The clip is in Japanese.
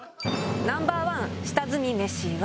ナンバーワン下積みメシは。